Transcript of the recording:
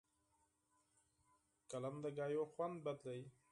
قلم د خبرو خوند بدلوي